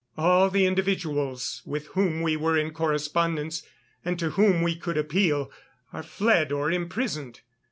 All the individuals with whom we were in correspondence and to whom we could appeal are fled or imprisoned.